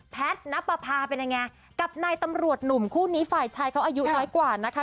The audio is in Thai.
นับประพาเป็นยังไงกับนายตำรวจหนุ่มคู่นี้ฝ่ายชายเขาอายุน้อยกว่านะคะ